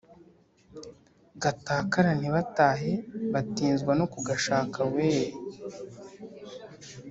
gatakara ntibatahe batinzwa no kugashaka weee